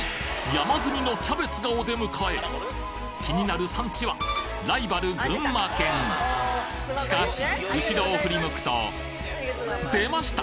山積みのキャベツがお出迎え気になる産地はライバル群馬県しかし後ろを振り向くと出ました！